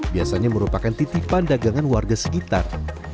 biasanya merupakan titipan dagangan warga sekitar